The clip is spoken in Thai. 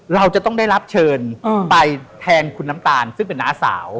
เราจะต้องได้รับเชิญไปแทนคุณน้ำตาลซึ่งเป็นน้าสาว